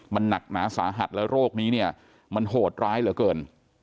มันหนักหนาสาหัสแล้วโรคนี้เนี่ยมันโหดร้ายเหลือเกิน